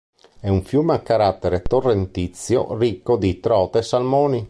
È un fiume a carattere torrentizio ricco di trote e salmoni.